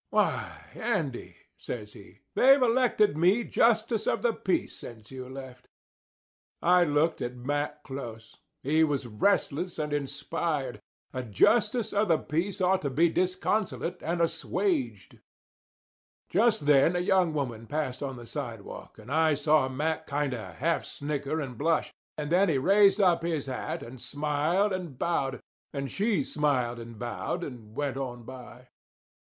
"Why, Andy," says he, "they've elected me justice of the peace since you left." I looked at Mack close. He was restless and inspired. A justice of the peace ought to be disconsolate and assuaged. Just then a young woman passed on the sidewalk; and I saw Mack kind of half snicker and blush, and then he raised up his hat and smiled and bowed, and she smiled and bowed, and went on by.